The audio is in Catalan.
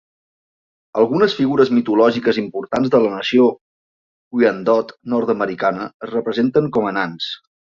Algunes figures mitològiques importants de la nació Wyandot nord-americana es representen com a nans.